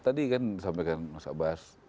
tadi kan disampaikan mas abbas